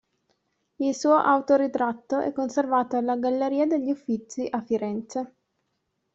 Il suo autoritratto è conservato alla Galleria degli Uffizi a Firenze.